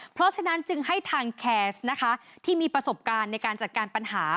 เพราะฉะนั้นจึงให้ทางแคสต์นะคะที่มีประสบการณ์ในการจัดการปัญหา